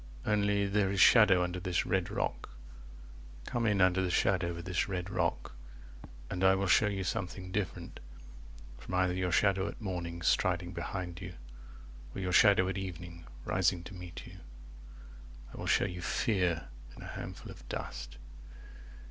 Only There is shadow under this red rock, 25 (Come in under the shadow of this red rock), And I will show you something different from either Your shadow at morning striding behind you Or your shadow at evening rising to meet you; I will show you fear in a handful of dust.